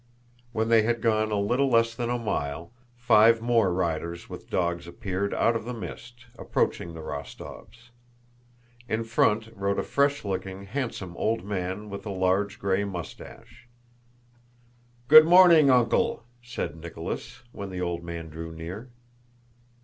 When they had gone a little less than a mile, five more riders with dogs appeared out of the mist, approaching the Rostóvs. In front rode a fresh looking, handsome old man with a large gray mustache. "Good morning, Uncle!" said Nicholas, when the old man drew near.